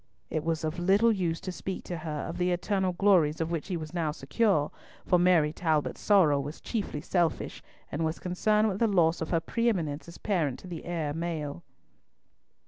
It was of little use to speak to her of the eternal glories of which he was now secure, for Mary Talbot's sorrow was chiefly selfish, and was connected with the loss of her pre eminence as parent to the heir male.